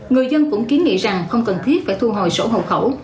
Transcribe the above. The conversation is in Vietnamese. người dân cũng kiến nghị rằng không cần thiết phải thu hồi sổ hộ khẩu